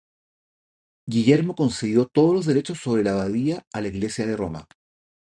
Guillermo concedió todos los derechos sobre la abadía a la iglesia de Roma.